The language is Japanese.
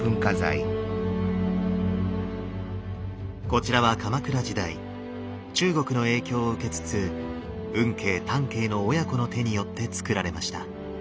こちらは鎌倉時代中国の影響を受けつつ運慶湛慶の親子の手によって造られました。